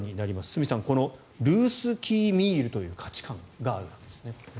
角さん、このルースキー・ミールという価値観があるんですね。